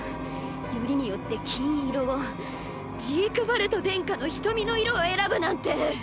よりによって金色をジークヴァルト殿下の瞳の色を選ぶなんて。